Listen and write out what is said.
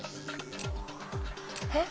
えっ？